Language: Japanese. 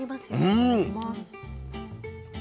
うん。